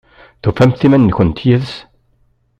Tufamt iman-nkent yid-s?